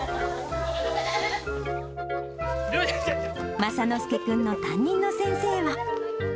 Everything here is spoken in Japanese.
雅之介君の担任の先生は。